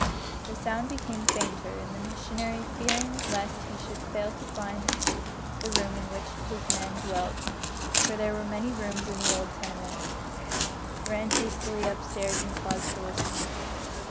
The sound became fainter, and the missionary, fearing lest he should fail to find the room in which his man dwelt for there were many rooms in the old tenement ran hastily up stairs and paused to listen.